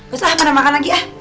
udah mana makan lagi ah